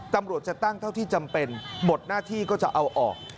ตำรวจจะตั้งเท่าที่จำเป็นหมดหน้าที่ก็จะเอาออก